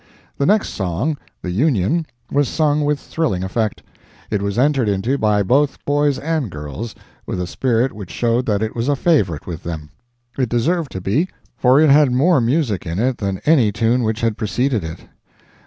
The next song—"The Union"—was sung with thrilling effect, and was entered into by both boys and girls, with a spirit which showed that it was a favorite with them. It deserved to be, for it had more music in it than any tune which had preceded it.